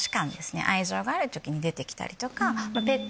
愛情がある時に出て来たりとか。